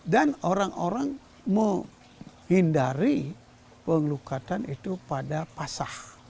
dan orang orang menghindari pengelukatan itu pada pasah